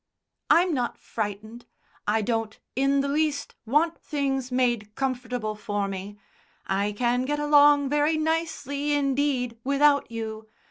"I'm not frightened. I don't, in the least, want things made comfortable for me. I can get along very nicely, indeed, without you.